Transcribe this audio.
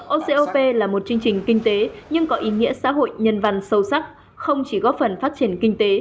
ocop là một chương trình kinh tế nhưng có ý nghĩa xã hội nhân văn sâu sắc không chỉ góp phần phát triển kinh tế